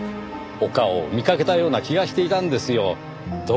お顔を見かけたような気がしていたんですよ。